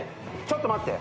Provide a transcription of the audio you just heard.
ちょっと待って。